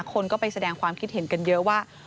คนก็ไปแสดงความคิดเห็นกันเยอะว่า